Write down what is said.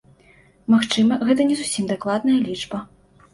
Магчыма, гэта не зусім дакладная лічба.